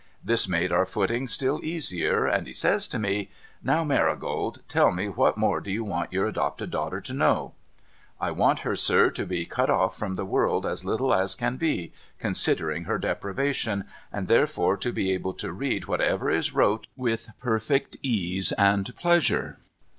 This made our footing still easier, and he says to me :' Now, Alarigold, tell me what more do you want your adopted daughter to know ?'' I want her, sir, to be cut off from the world as little as can be, considering her deprivations, and tlierefore to be able to read what ever is wrote with perfect ease and jileasure.'